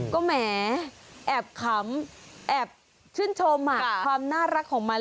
ก็แหมแอบขำแอบชื่นชมความน่ารักของมัน